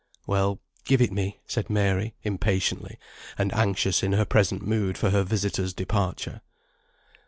"Well, give it me," said Mary, impatiently, and anxious in her present mood for her visitor's departure.